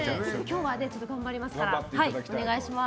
今日は頑張りますからお願いします。